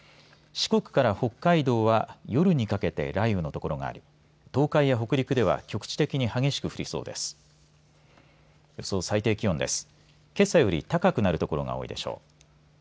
四国から北海道は夜にかけて雷雨の所があり東海や北陸では局地的に激しく降りそうです。